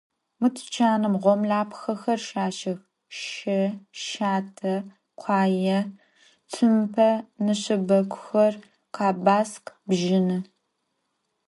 Mı tuçanım ğomlapxhexer şaşex: şe, şate, khuaê, tsumpe, neşşebeguxer, khebaskh, bjını.